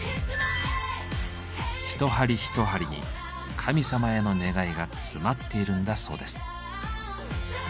一針一針に神様への願いが詰まっているんだそうです。